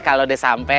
kalau udah sampai